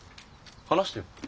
話してよ。